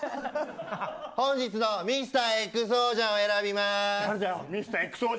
本日のミスターＸＯ醤を探します。